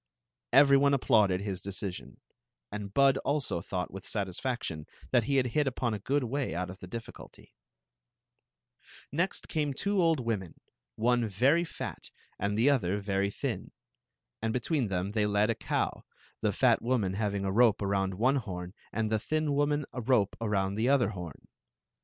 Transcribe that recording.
*' Every one applauded his decision, and Bud dso thought with satisfaction that he had hit upon a good way out of the difficuhy. Next mm tire (M W9m«fi» wmf M mA Story of the Magic Cloak 71 other very thin ; and between them they led a cow, the fat wotnati having a rope around one horn and Ike iIm WMsra a rq>e aroiHid the other horn.